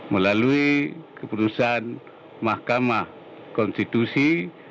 melalui keputusan mahkamah konstitusi